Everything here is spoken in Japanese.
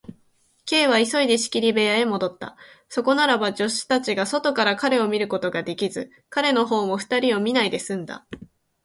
Ｋ は急いで仕切り部屋へもどった。そこならば、助手たちが外から彼を見ることができず、彼のほうも二人を見ないですんだ。